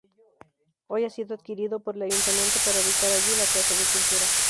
Hoy ha sido adquirido por el Ayuntamiento para ubicar allí la Casa de Cultura.